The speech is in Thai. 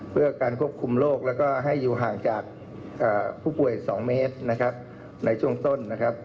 เพื่อการควบคุมโรคแล้วก็ให้อยู่ห่างจากผู้ป่วย๒เมตรในช่วงต้น